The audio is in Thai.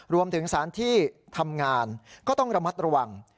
รวมถึงสารที่ทำงานก็ต้องระมัดระวัง